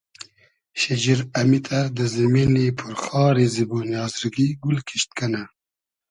شیجیر امیتر دۂ زیمینی پور خاری زیبۉنی آزرگی گول کیشت کئنۂ